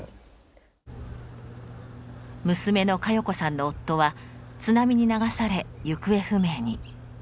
娘の佳世子さんの夫は津波に流され行方不明に。